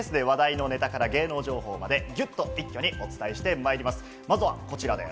こちらのコーナーではＳＮＳで話題のネタから芸能情報まで、ギュッと一挙にお伝えしてまいります。